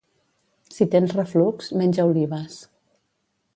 Si tens reflux, menja olives.